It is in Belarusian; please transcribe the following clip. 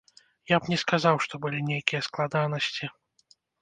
Я б не сказаў, што былі нейкія складанасці.